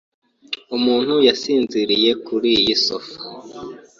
Umuntu yasinziriye kuri iyi sofa.